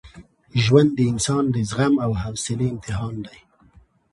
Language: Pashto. ژوند د انسان د زغم او حوصلې امتحان دی.